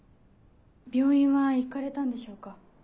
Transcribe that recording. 病院は行かれたんでしょうか？